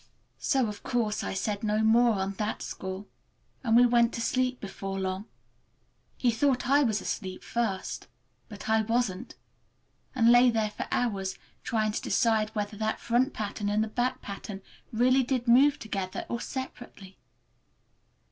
So of course I said no more on that score, and we went to sleep before long. He thought I was asleep first, but I wasn't,—I lay there for hours trying to decide whether that front pattern and the back pattern really did move together or separately.